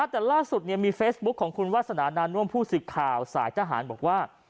แต่ล่าสุดมีเฟซบุ๊คของคุณวาสนานาน่วมผู้สื่อข่าวสายทหารบอกว่า